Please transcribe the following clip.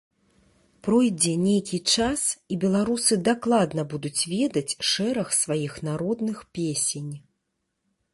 Пройдзе нейкі час, і беларусы дакладна будуць ведаць шэраг сваіх народных песень.